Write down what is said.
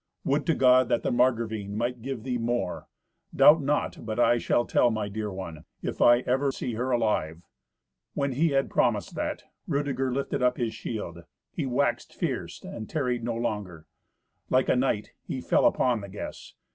"Would to God that the Margravine might give thee more! Doubt not but I shall tell my dear one, if I ever see her alive." When he had promised that, Rudeger lifted up his shield; he waxed fierce, and tarried no longer. Like a knight he fell upon the guests.